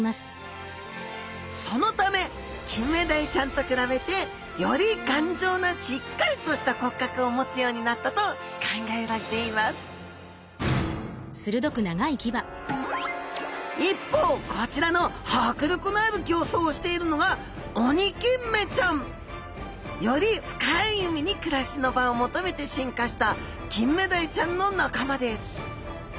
そのためキンメダイちゃんと比べてより頑丈なしっかりとした骨格を持つようになったと考えられています一方こちらの迫力のある形相をしているのがオニキンメちゃん。より深い海に暮らしの場を求めて進化したキンメダイちゃんの仲間です